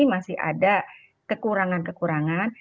masih ada kekurangan kekurangan